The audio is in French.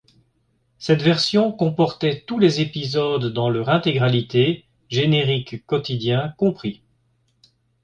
Cette version comportait tous les épisodes dans leur intégralité, génériques quotidiens compris.